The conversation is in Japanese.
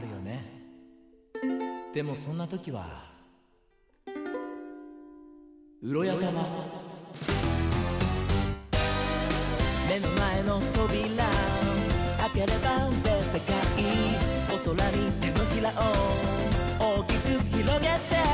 「でもそんなときはウロヤタマ」「めのまえのトビラあければべっせかい」「おそらにてのひらをおおきくひろげて」